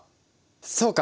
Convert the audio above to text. そうか！